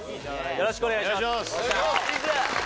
よろしくお願いします